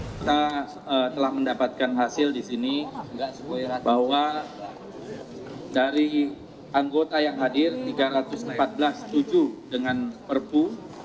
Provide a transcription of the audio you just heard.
kita telah mendapatkan hasil di sini bahwa dari anggota yang hadir tiga ratus empat belas setuju dengan perpu